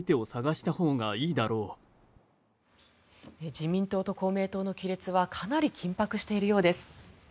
自民党と公明党の亀裂はかなり緊迫しているようです。